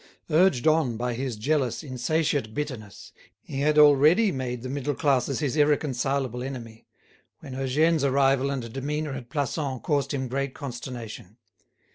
Urged on by his jealous, insatiate bitterness, he had already made the middle classes his irreconcilable enemy, when Eugène's arrival and demeanour at Plassans caused him great consternation.